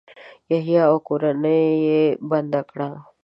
یحیی او کورنۍ یې بنده کړه.